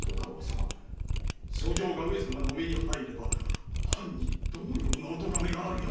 訴状が上様のお目に入れば藩にどのようなおとがめが。